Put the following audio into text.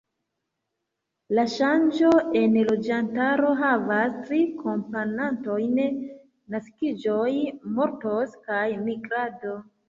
La ŝanĝo en loĝantaro havas tri komponantojn: naskiĝoj, mortoj kaj migrado.